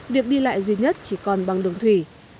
việc đi lại duy nhất chỉ còn bằng đường thủy